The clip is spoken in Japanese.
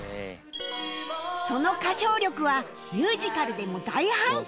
その歌唱力はミュージカルでも大反響